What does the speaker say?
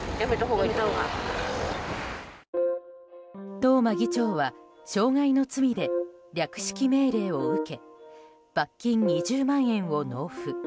東間議長は傷害の罪で略式命令を受け罰金２０万円を納付。